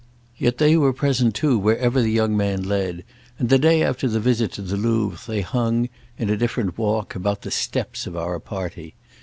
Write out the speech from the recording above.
Yet they were present too wherever the young man led, and the day after the visit to the Louvre they hung, in a different walk, about the steps of our party.